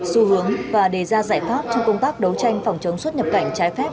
xu hướng và đề ra giải pháp trong công tác đấu tranh phòng chống xuất nhập cảnh trái phép